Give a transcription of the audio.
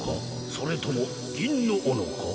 それともぎんのおのか？